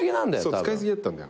使い過ぎだったんだよ。